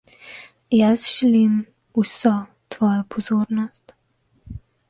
Jaz želim vso tvojo pozornost.